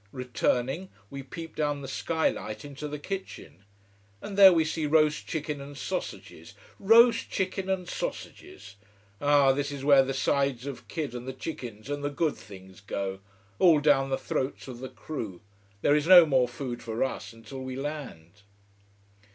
Returning, we peep down the sky light into the kitchen. And there we see roast chicken and sausages roast chicken and sausages! Ah, this is where the sides of kid and the chickens and the good things go: all down the throats of the crew. There is no more food for us, until we land.